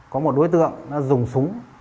có một đối tượng đã dùng súng